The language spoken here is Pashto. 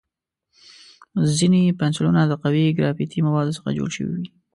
ځینې پنسلونه د قوي ګرافیتي موادو څخه جوړ شوي وي.